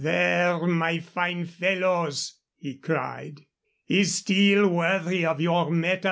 "There, my fine fellows," he cried, "is steel worthy of your metal.